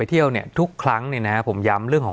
สวัสดีครับทุกผู้ชม